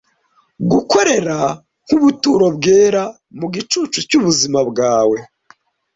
gukorera nk'ubuturo bwera mu gicucu cy'ubuzima bwawe